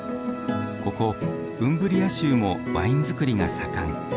ここウンブリア州もワイン造りが盛ん。